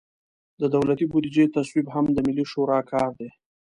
د دولتي بودیجې تصویب هم د ملي شورا کار دی.